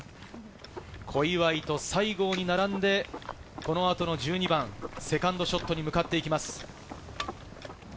小祝と西郷に並んで、この後の１２番、セカンドショットに向かっていきます。